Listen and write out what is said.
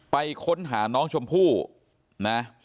ไปค้นหาน้องชมพู่นะ